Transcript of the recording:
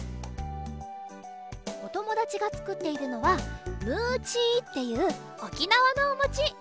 おともだちがつくっているのは「ムーチー」っていうおきなわのおもち。